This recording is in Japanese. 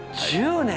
１０年！